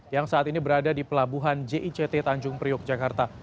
yang saat ini berada di pelabuhan jict tanjung priok jakarta